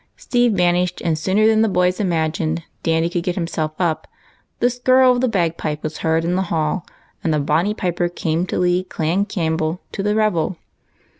Steve vanished, and, sooner than the boys imagined Dandy could get himself up, the skirl of the bag pipe was heard in the hall, and the bonny piper came to lead Clan Campbell to the revel.